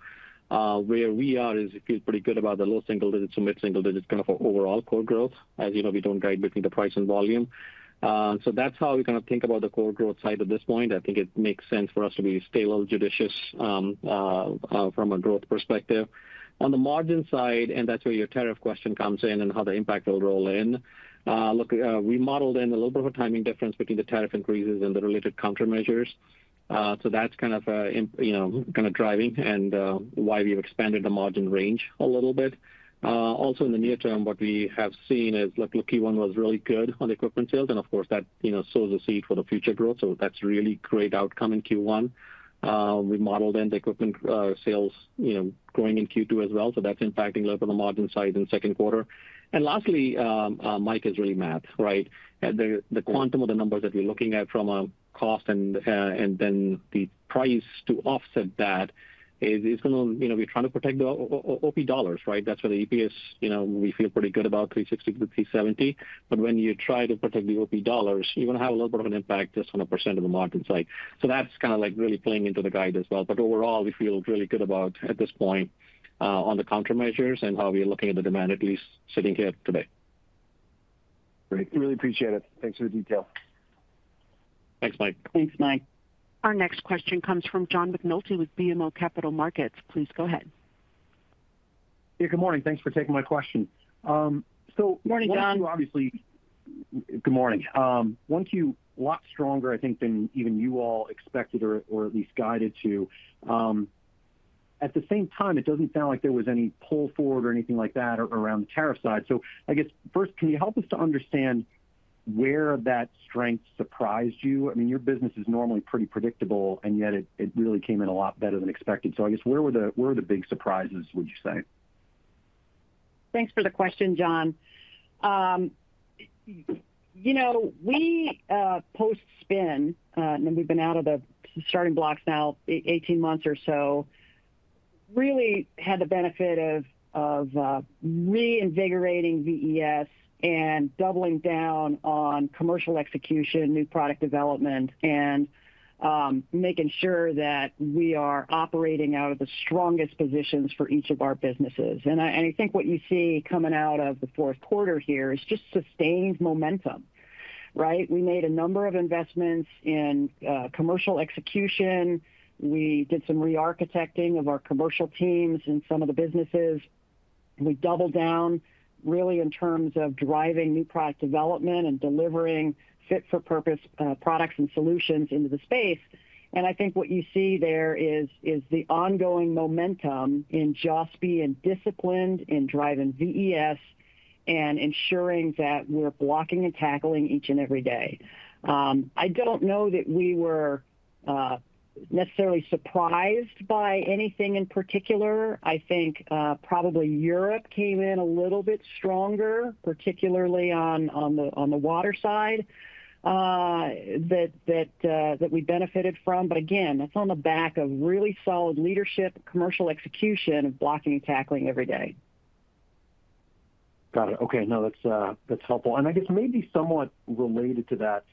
Where we are is we feel pretty good about the low single digit to mid single digit kind of overall core growth. As you know, we don't guide between the price and volume. That's how we kind of think about the core growth side at this point. I think it makes sense for us to be stable, judicious from a growth perspective. On the margin side, that's where your tariff question comes in and how the impact will roll in. Look, we modeled in a little bit of a timing difference between the tariff increases and the related countermeasures. That's kind of driving and why we've expanded the margin range a little bit. Also, in the near term, what we have seen is Q1 was really good on equipment sales. Of course, that sows a seed for the future growth. That's a really great outcome in Q1. We modeled in the equipment sales growing in Q2 as well. That's impacting a little bit of the margin side in second quarter. Lastly, Mike, it's really math, right? The quantum of the numbers that we're looking at from a cost and then the price to offset that is going to be trying to protect the OP dollars, right? That's where the EPS, we feel pretty good about $3.60 to $3.70. When you try to protect the OP dollars, you're going to have a little bit of an impact just on a % of the margin side. That is kind of like really playing into the guide as well. Overall, we feel really good about at this point on the countermeasures and how we are looking at the demand, at least sitting here today. Great. Really appreciate it. Thanks for the details. Thanks, Mike. Thanks, Mike. Our next question comes from John McNulty with BMO Capital Markets. Please go ahead. Yeah, good morning. Thanks for taking my question. Morning, John. Good morning. Once you lot stronger, I think, than even you all expected or at least guided to. At the same time, it doesn't sound like there was any pull forward or anything like that around the tariff side. I guess first, can you help us to understand where that strength surprised you? I mean, your business is normally pretty predictable, and yet it really came in a lot better than expected. I guess where were the big surprises, would you say? Thanks for the question, John. You know we post-spin, and we've been out of the starting blocks now, 18 months or so, really had the benefit of reinvigorating VES and doubling down on commercial execution, new product development, and making sure that we are operating out of the strongest positions for each of our businesses. I think what you see coming out of the fourth quarter here is just sustained momentum, right? We made a number of investments in commercial execution. We did some re-architecting of our commercial teams in some of the businesses. We doubled down really in terms of driving new product development and delivering fit-for-purpose products and solutions into the space. I think what you see there is the ongoing momentum in just being disciplined in driving VES and ensuring that we're blocking and tackling each and every day. I do not know that we were necessarily surprised by anything in particular. I think probably Europe came in a little bit stronger, particularly on the water side that we benefited from. Again, that is on the back of really solid leadership, commercial execution of blocking and tackling every day. Got it. Okay. No, that's helpful. I guess maybe somewhat related to that,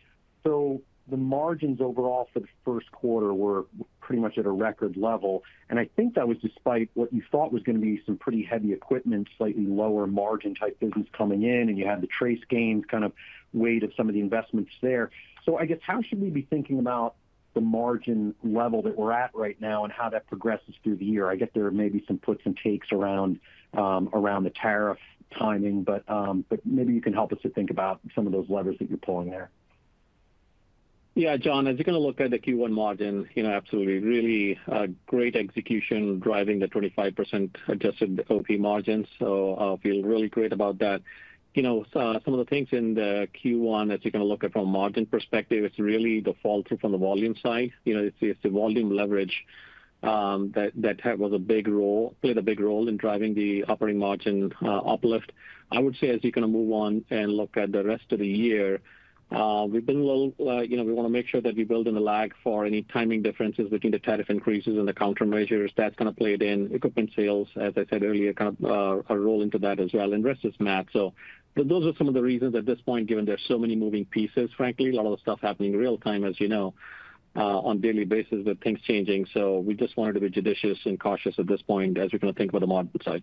the margins overall for the first quarter were pretty much at a record level. I think that was despite what you thought was going to be some pretty heavy equipment, slightly lower margin type business coming in, and you had the TraceGains kind of weight of some of the investments there. I guess how should we be thinking about the margin level that we're at right now and how that progresses through the year? I guess there are maybe some puts and takes around the tariff timing, but maybe you can help us to think about some of those levers that you're pulling there. Yeah, John, as you're going to look at the Q1 margin, absolutely. Really great execution driving the 25% adjusted OP margins. So I feel really great about that. You know some of the things in the Q1 that you're going to look at from a margin perspective, it's really the fall through from the volume side. You know it's the volume leverage that played a big role in driving the operating margin uplift. I would say as you kind of move on and look at the rest of the year, we've been a little we want to make sure that we build in the lag for any timing differences between the tariff increases and the countermeasures. That's kind of played in equipment sales, as I said earlier, kind of a role into that as well. The rest is math. Those are some of the reasons at this point, given there's so many moving pieces, frankly, a lot of the stuff happening real time, as you know, on daily basis with things changing. We just wanted to be judicious and cautious at this point as we're going to think about the margin side.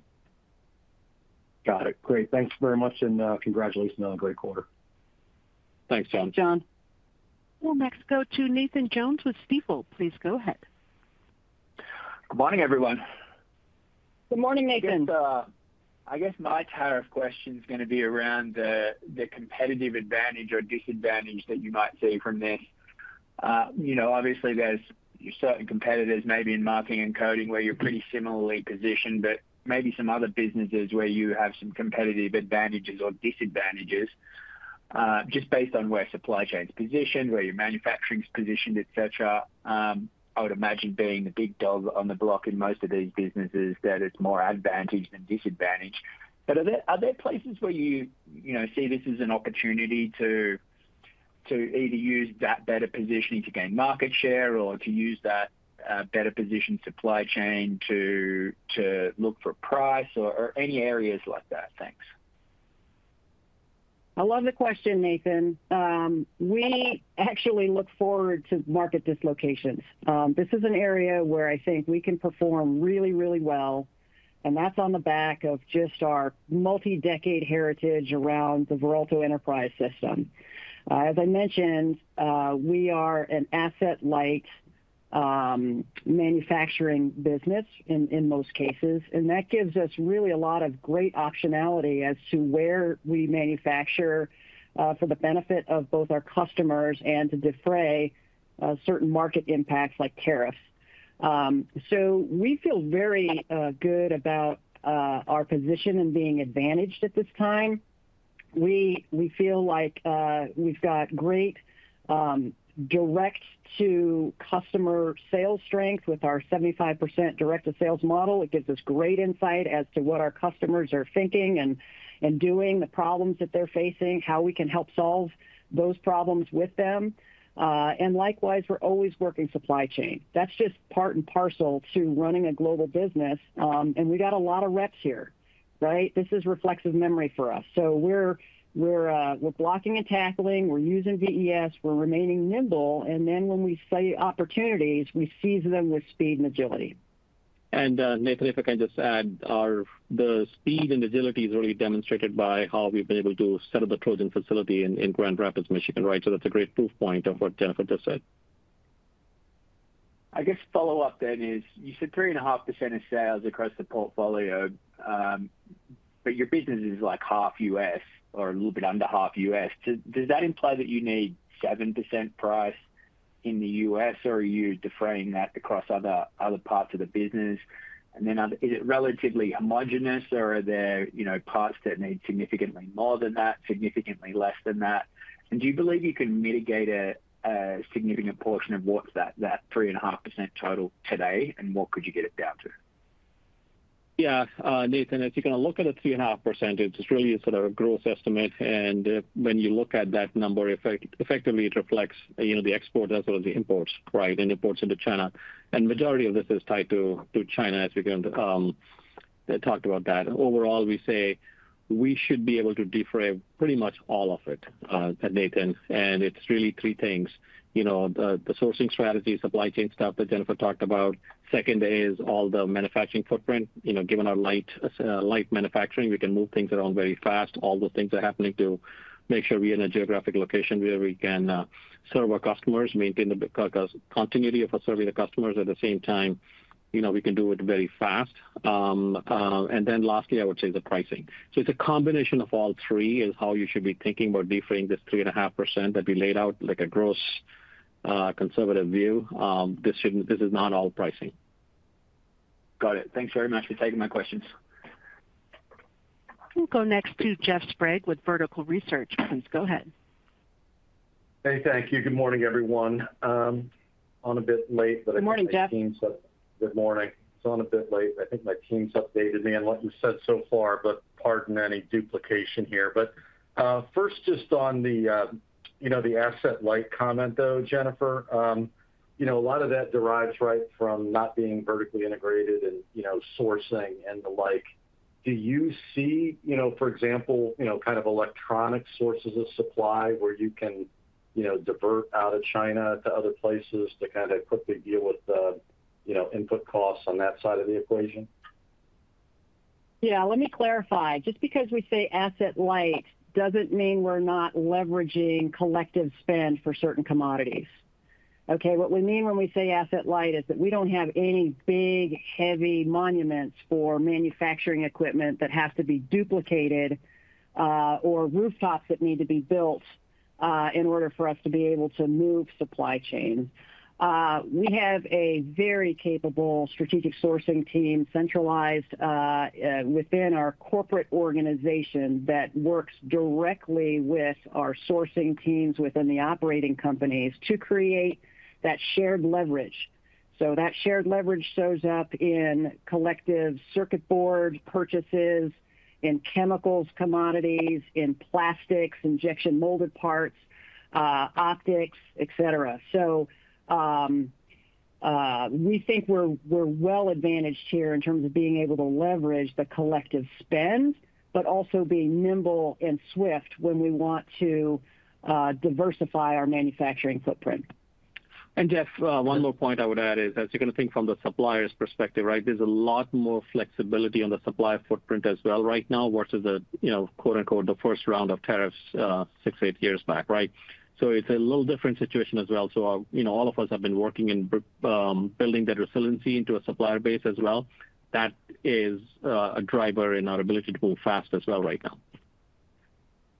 Got it. Great. Thanks very much. Congratulations on a great quarter. Thanks, John. Thanks, John. Next, go to Nathan Jones with Stifel. Please go ahead. Good morning, everyone. Good morning, Nathan. I guess my tariff question is going to be around the competitive advantage or disadvantage that you might see from this. Obviously, there are certain competitors maybe in Marking and Coding where you're pretty similarly positioned, but maybe some other businesses where you have some competitive advantages or disadvantages. Just based on where supply chain's positioned, where your manufacturing's positioned, etc., I would imagine being the big dog on the block in most of these businesses, that it's more advantage than disadvantage. Are there places where you see this as an opportunity to either use that better positioning to gain market share or to use that better positioned supply chain to look for price or any areas like that? Thanks. I love the question, Nathan. We actually look forward to market dislocations. This is an area where I think we can perform really, really well. That is on the back of just our multi-decade heritage around the Veralto Enterprise System. As I mentioned, we are an asset-light manufacturing business in most cases. That gives us really a lot of great optionality as to where we manufacture for the benefit of both our customers and to defray certain market impacts like tariffs. We feel very good about our position and being advantaged at this time. We feel like we have great direct-to-customer sales strength with our 75% direct-to-sales model. It gives us great insight as to what our customers are thinking and doing, the problems that they are facing, how we can help solve those problems with them. Likewise, we are always working supply chain. That's just part and parcel to running a global business. We've got a lot of reps here, right? This is reflexive memory for U.S. We're blocking and tackling. We're using VES. We're remaining nimble. When we see opportunities, we seize them with speed and agility. Nathan, if I can just add, the speed and agility is really demonstrated by how we've been able to set up the Trojan facility in Grand Rapids, Michigan, right? That is a great proof point of what Jennifer just said. I guess follow-up then is you said 3.5% of sales across the portfolio, but your business is like half U.S. or a little bit under half U.S. Does that imply that you need 7% price in the U.S., or are you defraying that across other parts of the business? Is it relatively homogenous, or are there parts that need significantly more than that, significantly less than that? Do you believe you can mitigate a significant portion of what's that 3.5% total today, and what could you get it down to? Yeah, Nathan, if you're going to look at the 3.5%, it's really sort of a gross estimate. When you look at that number, effectively, it reflects the export as well as the imports, right, and imports into China. The majority of this is tied to China, as we talked about that. Overall, we say we should be able to defray pretty much all of it, Nathan. It's really three things. The sourcing strategy, supply chain stuff that Jennifer talked about. Second is all the manufacturing footprint. Given our light manufacturing, we can move things around very fast. All those things are happening to make sure we are in a geographic location where we can serve our customers, maintain the continuity of our service to customers. At the same time, we can do it very fast. Lastly, I would say the pricing. It is a combination of all three is how you should be thinking about defraying this 3.5% that we laid out, like a gross conservative view. This is not all pricing. Got it. Thanks very much for taking my questions. We'll go next to Jeff Sprague with Vertical Research. Please go ahead. Hey, thank you. Good morning, everyone. On a bit late, but I think my team's. Good morning, Jeff. Good morning. It's on a bit late. I think my team's updated me on what you said so far, but pardon any duplication here. First, just on the asset-light comment, though, Jennifer, a lot of that derives right from not being vertically integrated and sourcing and the like. Do you see, for example, kind of electronic sources of supply where you can divert out of China to other places to kind of quickly deal with the input costs on that side of the equation? Yeah, let me clarify. Just because we say asset-light does not mean we are not leveraging collective spend for certain commodities. Okay? What we mean when we say asset-light is that we do not have any big, heavy monuments for manufacturing equipment that have to be duplicated or rooftops that need to be built in order for us to be able to move supply chains. We have a very capable strategic sourcing team centralized within our corporate organization that works directly with our sourcing teams within the operating companies to create that shared leverage. That shared leverage shows up in collective circuit board purchases, in chemicals, commodities, in plastics, injection molded parts, optics, etc. We think we are well advantaged here in terms of being able to leverage the collective spend, but also being nimble and swift when we want to diversify our manufacturing footprint. Jeff, one more point I would add is, as you're going to think from the supplier's perspective, right, there's a lot more flexibility on the supply footprint as well right now versus the quote-unquote "first round of tariffs" six, eight years back, right? It is a little different situation as well. All of us have been working in building that resiliency into a supplier base as well. That is a driver in our ability to move fast as well right now.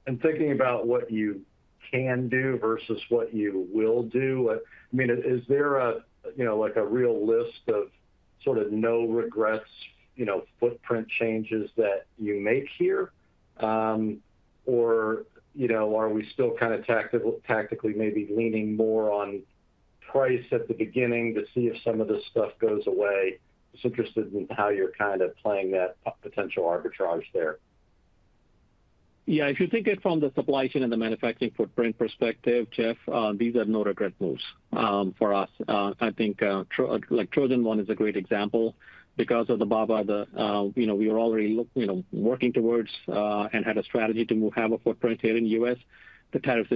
Thinking about what you can do versus what you will do, I mean, is there a real list of sort of no regrets footprint changes that you make here? Are we still kind of tactically maybe leaning more on price at the beginning to see if some of this stuff goes away? Just interested in how you're kind of playing that potential arbitrage there. Yeah, if you think it from the supply chain and the manufacturing footprint perspective, Jeff, these are no regret moves for U.S. I think Trojan is a great example because of the BABA that we were already working towards and had a strategy to have a footprint here in the U.S. The tariff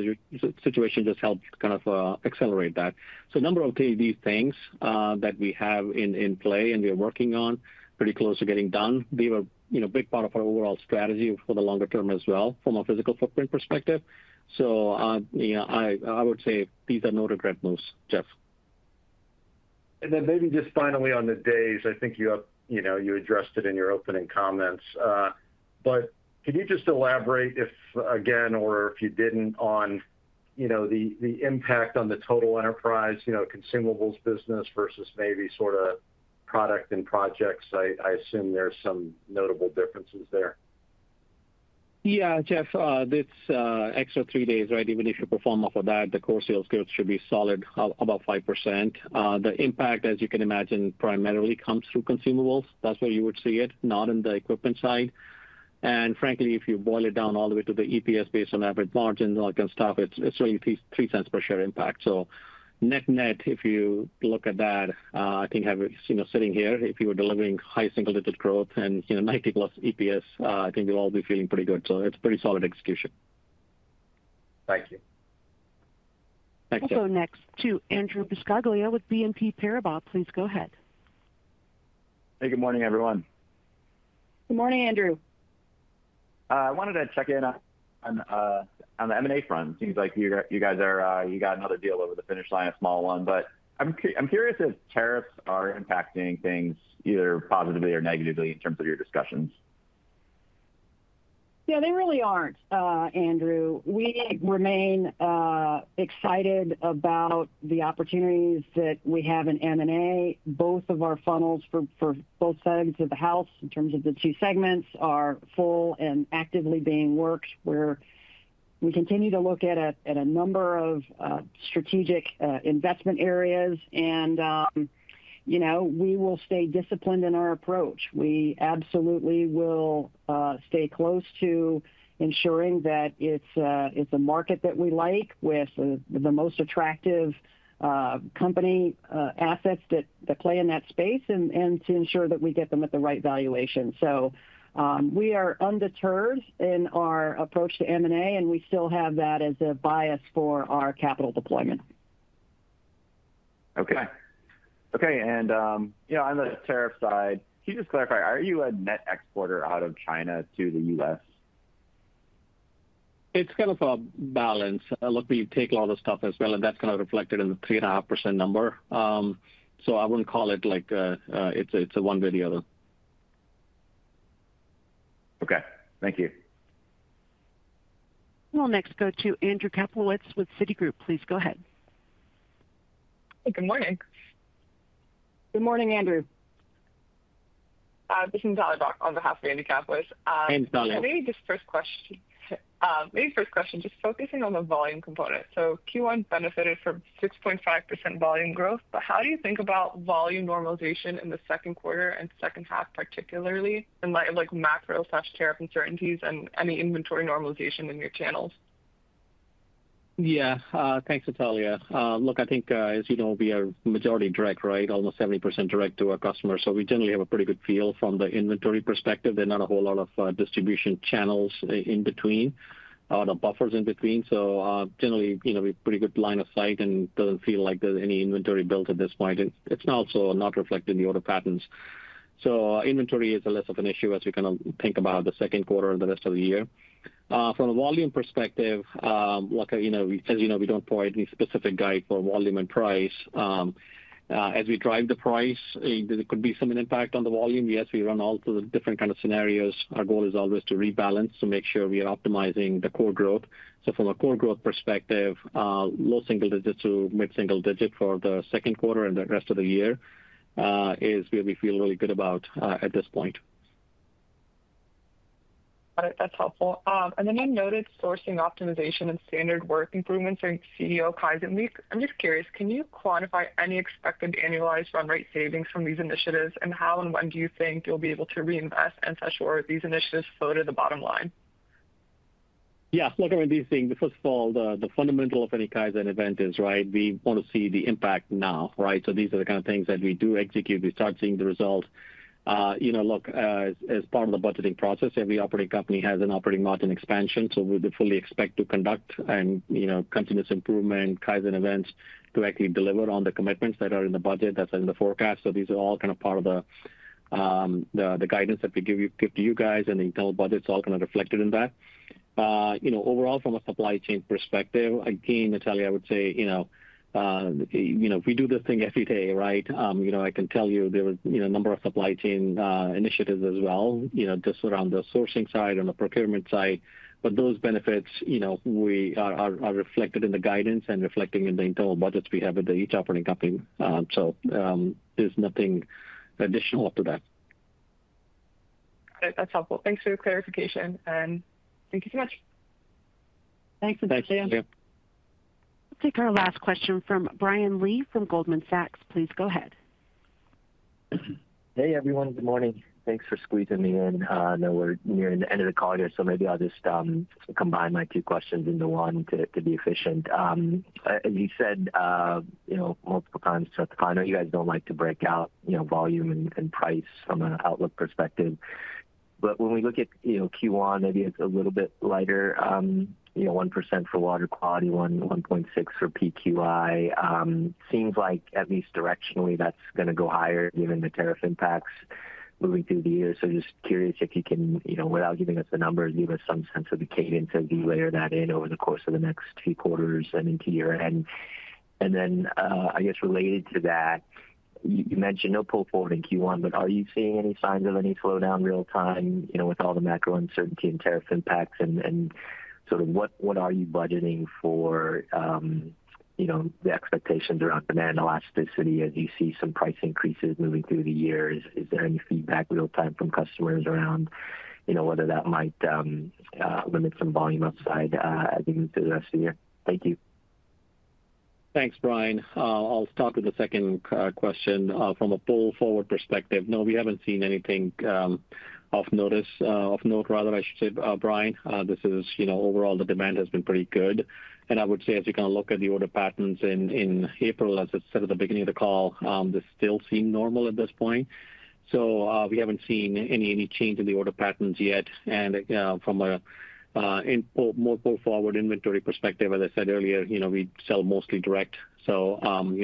situation just helped kind of accelerate that. A number of these things that we have in play and we are working on are pretty close to getting done. They were a big part of our overall strategy for the longer term as well from a physical footprint perspective. I would say these are no regret moves, Jeff. Maybe just finally on the days, I think you addressed it in your opening comments. Could you just elaborate if, again, or if you did not, on the impact on the total enterprise, consumables business versus maybe sort of product and projects? I assume there are some notable differences there. Yeah, Jeff, it's extra three days, right? Even if you perform off of that, the core sales growth should be solid, about 5%. The impact, as you can imagine, primarily comes through consumables. That's where you would see it, not on the equipment side. Frankly, if you boil it down all the way to the EPS based on average margins and all that kind of stuff, it's really 3 cents per share impact. Net net, if you look at that, I think sitting here, if you were delivering high single-digit growth and 90-plus EPS, I think we'll all be feeling pretty good. It's pretty solid execution. Thank you. Thanks, Jeff. Also next to Andrew Buscaglia with BNP Paribas. Please go ahead. Hey, good morning, everyone. Good morning, Andrew. I wanted to check in on the M&A front. It seems like you guys got another deal over the finish line, a small one. I’m curious if tariffs are impacting things either positively or negatively in terms of your discussions. Yeah, they really aren't, Andrew. We remain excited about the opportunities that we have in M&A. Both of our funnels for both sides of the house in terms of the two segments are full and actively being worked. We continue to look at a number of strategic investment areas. We will stay disciplined in our approach. We absolutely will stay close to ensuring that it's a market that we like with the most attractive company assets that play in that space and to ensure that we get them at the right valuation. We are undeterred in our approach to M&A, and we still have that as a bias for our capital deployment. Okay. Okay. On the tariff side, can you just clarify, are you a net exporter out of China to the U.S.? It's kind of a balance. Look, we take a lot of stuff as well, and that's kind of reflected in the 3.5% number. I wouldn't call it like it's a one way or the other. Okay. Thank you. We'll next go to Andrew Kaplowitz with Citigroup. Please go ahead. Hey, good morning. Good morning, Andrew. This is Natalie Bau on behalf of Andrew Kaplowitz. Hey, Natalie. Maybe first question, just focusing on the volume component. Q1 benefited from 6.5% volume growth. How do you think about volume normalization in the second quarter and second half, particularly in light of macro/term uncertainties and any inventory normalization in your channels? Yeah, thanks, Natalie. Look, I think, as you know, we are majority direct, right? Almost 70% direct to our customers. We generally have a pretty good feel from the inventory perspective. There are not a whole lot of distribution channels in between or the buffers in between. We generally have a pretty good line of sight and do not feel like there is any inventory built at this point. It is also not reflected in the order patterns. Inventory is less of an issue as we kind of think about the second quarter and the rest of the year. From a volume perspective, as you know, we do not provide any specific guide for volume and price. As we drive the price, there could be some impact on the volume. Yes, we run all the different kind of scenarios. Our goal is always to rebalance to make sure we are optimizing the core growth. From a core growth perspective, low single digits to mid-single digit for the second quarter and the rest of the year is where we feel really good about at this point. Got it. That's helpful. You noted sourcing optimization and standard work improvements during CEO Kaizen Week. I'm just curious, can you quantify any expected annualized run rate savings from these initiatives, and how and when do you think you'll be able to reinvest and assess where these initiatives float at the bottom line? Yeah, look, I mean, these things, first of all, the fundamental of any Kaizen event is, right, we want to see the impact now, right? These are the kind of things that we do execute. We start seeing the results. Look, as part of the budgeting process, every operating company has an operating margin expansion. We fully expect to conduct and continuous improvement Kaizen events to actually deliver on the commitments that are in the budget that's in the forecast. These are all kind of part of the guidance that we give to you guys and the internal budgets are all kind of reflected in that. Overall, from a supply chain perspective, again, Natalia, I would say we do this thing every day, right? I can tell you there were a number of supply chain initiatives as well just around the sourcing side and the procurement side. Those benefits are reflected in the guidance and reflected in the internal budgets we have with each operating company. There is nothing additional up to that. That's helpful. Thanks for your clarification. Thank you so much. Thanks, Natalia. Thanks, Jeff. We'll take our last question from Brian Lee from Goldman Sachs. Please go ahead. Hey, everyone. Good morning. Thanks for squeezing me in. I know we're nearing the end of the call here, so maybe I'll just combine my two questions into one to be efficient. As you said multiple times, Jeff, I know you guys don't like to break out volume and price from an outlook perspective. When we look at Q1, maybe it's a little bit lighter, 1% Water Quality, 1.6% for PQI. Seems like, at least directionally, that's going to go higher given the tariff impacts moving through the year. Just curious if you can, without giving us the numbers, give us some sense of the cadence as we layer that in over the course of the next few quarters and into year end. I guess related to that, you mentioned no pull forward in Q1, but are you seeing any signs of any slowdown real-time with all the macro uncertainty and tariff impacts? What are you budgeting for the expectations around demand elasticity as you see some price increases moving through the year? Is there any feedback real-time from customers around whether that might limit some volume upside as we move through the rest of the year? Thank you. Thanks, Brian. I'll start with the second question. From a pull forward perspective, no, we haven't seen anything of note, rather, I should say, Brian. This is overall, the demand has been pretty good. I would say, as you kind of look at the order patterns in April, as I said at the beginning of the call, they still seem normal at this point. We haven't seen any change in the order patterns yet. From a more pull forward inventory perspective, as I said earlier, we sell mostly direct. We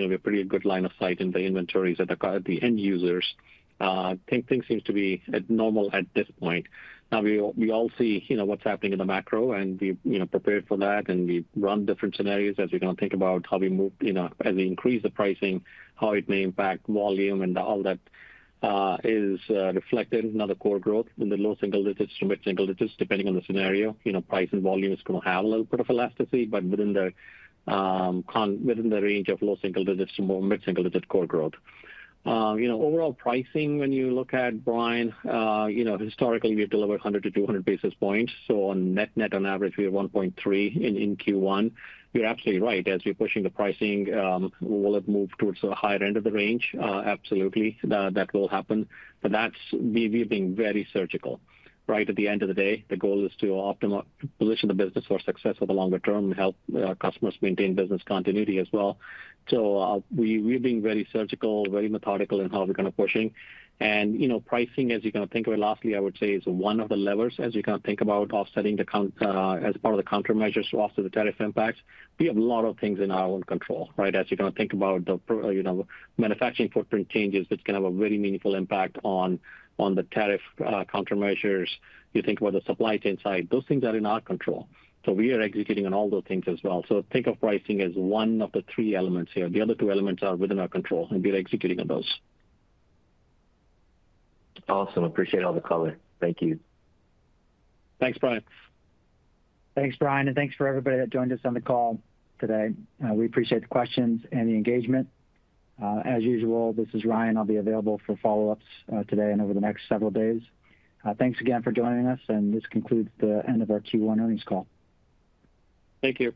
have a pretty good line of sight in the inventories at the end users. I think things seem to be normal at this point. Now, we all see what's happening in the macro, and we prepare for that, and we run different scenarios as we kind of think about how we move, as we increase the pricing, how it may impact volume, and all that is reflected in the core growth in the low single digits to mid-single digits, depending on the scenario. Price and volume is going to have a little bit of elasticity, but within the range of low single digits to more mid-single digit core growth. Overall pricing, when you look at, Brian, historically, we've delivered 100 to 200 basis points. So on net net, on average, we are 1.3 in Q1. You're absolutely right. As we're pushing the pricing, will it move towards the higher end of the range? Absolutely. That will happen. But we're being very surgical, right? At the end of the day, the goal is to position the business for success for the longer term and help customers maintain business continuity as well. We are being very surgical, very methodical in how we are kind of pushing. Pricing, as you kind of think of it, lastly, I would say is one of the levers as you kind of think about offsetting as part of the countermeasures to offset the tariff impacts. We have a lot of things in our own control, right? As you kind of think about the manufacturing footprint changes, which can have a very meaningful impact on the tariff countermeasures. You think about the supply chain side. Those things are in our control. We are executing on all those things as well. Think of pricing as one of the three elements here. The other two elements are within our control, and we are executing on those. Awesome. Appreciate all the color. Thank you. Thanks, Brian. Thanks, Brian. Thanks for everybody that joined us on the call today. We appreciate the questions and the engagement. As usual, this is Ryan. I'll be available for follow-ups today and over the next several days. Thanks again for joining us, and this concludes the end of our Q1 earnings call. Thank you.